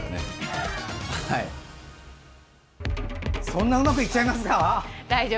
そんなうまくいっちゃいますか。